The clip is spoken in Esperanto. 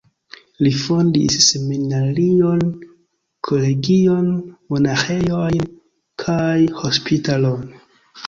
Li fondis seminarion, kolegion, monaĥejojn kaj hospitalon.